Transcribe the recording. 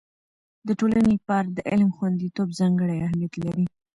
د ټولنې لپاره د علم خوندیتوب ځانګړی اهميت لري.